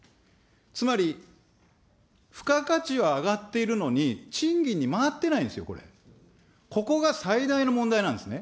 つまり、付加価値は上がっているのに、賃金に回ってないんですよ、これ、ここが最大の問題なんですね。